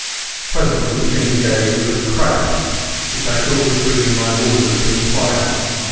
Presently the thing gave with a crash which I thought would bring in my warders to inquire.